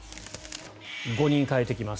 ５人代えてきます。